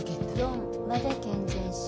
４まで健全歯。